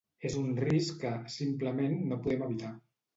És un risc que, simplement, no podem evitar.